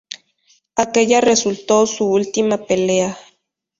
Aquella resultó su última pelea.